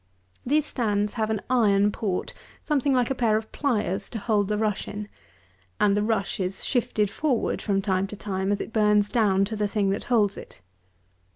These stands have an iron port something like a pair of pliers to hold the rush in, and the rush is shifted forward from time to time, as it burns down to the thing that holds it.